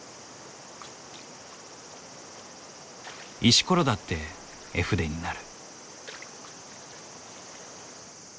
石ころだって絵筆になる。